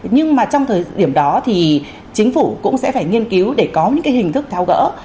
nhưng mà trong thời điểm đó thì chính phủ cũng sẽ phải nghiên cứu để có những hình thức tháo gỡ